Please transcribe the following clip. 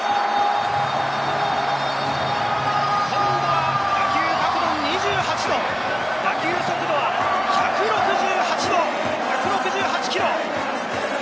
今度は打球角度２８度、打球速度は１６８キロ！